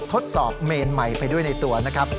ทดสอบเมนใหม่ไปด้วยในตัวนะครับ